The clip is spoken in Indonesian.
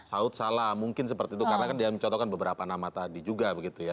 saud salah mungkin seperti itu karena kan dia mencontohkan beberapa nama tadi juga begitu ya